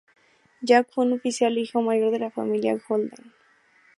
Jack fue un oficial e hijo mayor de la familia Holden.